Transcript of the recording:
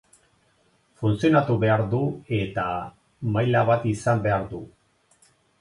Funtzionatu behar du eta maila bat izan behar du.